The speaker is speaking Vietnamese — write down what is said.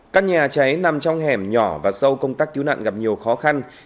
các nhà cháy nằm trong hẻm nhỏ và sâu công tác cứu nạn gặp nhiều khó khăn